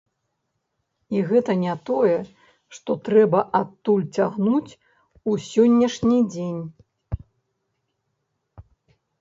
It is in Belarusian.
І гэта не тое, што трэба адтуль цягнуць у сённяшні дзень.